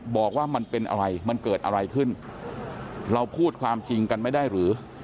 บอกว่ามันเป็นอะไรมันเกิดอะไรขึ้นเราพูดความจริงกันไม่ได้หรือ